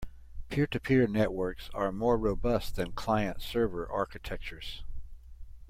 Peer-to-peer networks are more robust than client-server architectures.